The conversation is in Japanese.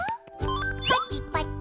パチパチ。